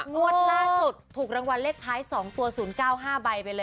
งวดล่าสุดถูกรางวัลเลขท้าย๒ตัว๐๙๕ใบไปเลย